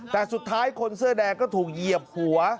แต่สุดท้ายคนเสื้อแดงก็ถูกเหยียบหัว